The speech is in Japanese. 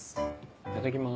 いただきます。